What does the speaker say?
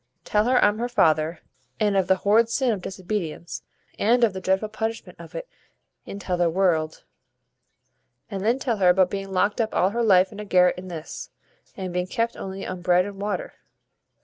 Tell her I'm her father; and of the horrid sin of disobedience, and of the dreadful punishment of it in t'other world, and then tell her about being locked up all her life in a garret in this, and being kept only on bread and water."